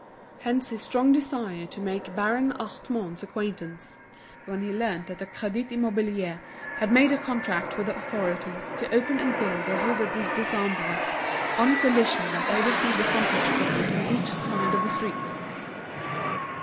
Hence his strong desire to make Baron Hartmann's acquaintance, when he learnt that the Crédit Immobilier had made a contract with the authorities to open and build the Rue du Dix Décembre, on condition that they received the frontage ground on each side of the street.